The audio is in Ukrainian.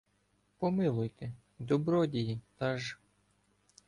— Помилуйте, добродії, таж.